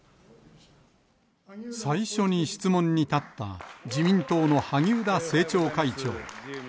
最初に質問に立った、自民党の萩生田政調会長。